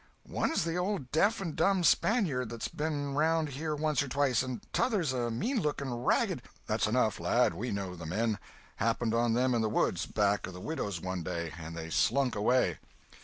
"One's the old deaf and dumb Spaniard that's ben around here once or twice, and t'other's a mean looking, ragged—" "That's enough, lad, we know the men! Happened on them in the woods back of the widow's one day, and they slunk away.